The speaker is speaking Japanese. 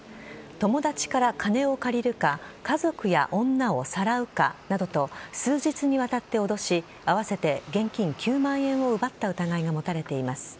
友達から金を借りるか家族や女をさらうかなどと数日にわたって脅し合わせて現金９万円を奪った疑いが持たれています。